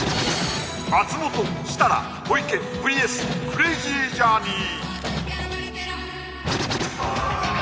松本設楽小池ＶＳクレイジージャーニー